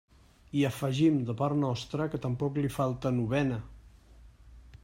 I afegim de part nostra que tampoc li falta novena.